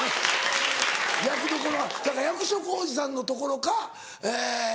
役どころはだから役所広司さんのところかえ。